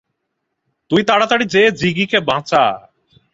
তুই তাড়াতাড়ি যেয়ে জিগিকে বাঁচা।